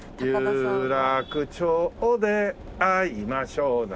「有楽町で逢いましょう」だ。